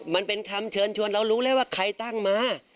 มันเป็นคำเชิญชวนเรารู้แล้วว่าใครตั้งมา